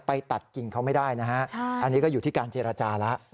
ไปตัดกิ่งเขาไม่ได้นะฮะอันนี้ก็อยู่ที่การเจรจาแล้ว